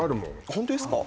ホントですか！？